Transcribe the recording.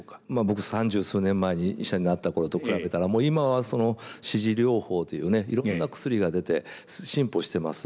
僕三十数年前に医者になった頃と比べたら今は支持療法というねいろんな薬が出て進歩してます。